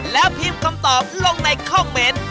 แล้วพิมพ์คำตอบลงในคอมเมนต์